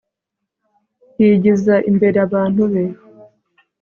yigiza imbere abantu be